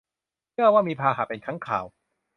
เชื่อว่ามีพาหะเป็นค้างคาว